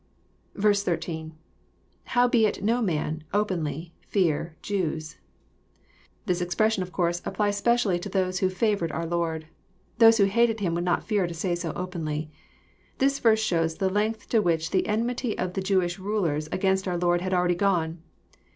13. — [Howheit no man.. .openly. ..fear., .Jews,'] This expression of course applies specially to those who favoured our Lord. Those who hated Him would not fear to say so openly. This verse shows the length to which the enmity of the Jewish ru lers against our Lord had already gone.